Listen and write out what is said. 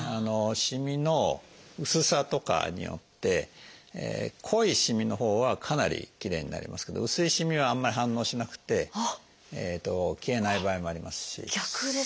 しみの薄さとかによって濃いしみのほうはかなりきれいになりますけど薄いしみはあんまり反応しなくて消えない場合もありますし。